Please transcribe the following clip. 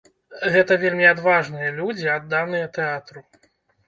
Гэта вельмі адважныя людзі, адданыя тэатру.